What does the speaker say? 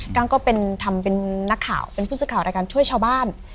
ก็เป็นทำเป็นนักข่าวเป็นผู้สื่อข่าวรายการช่วยชาวบ้าน